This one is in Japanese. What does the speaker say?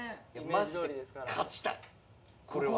マジで勝ちたいこれは。